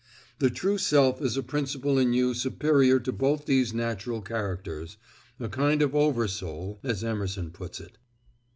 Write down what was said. The true self is a principle in you superior to both these natural characters, a kind of oversoul, as Emerson puts it.